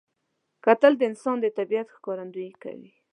کتل د انسان د طبیعت ښکارندویي کوي